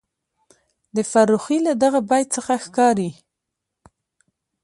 د فرخي له دغه بیت څخه ښکاري،